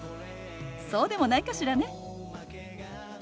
そうでもないかしらね。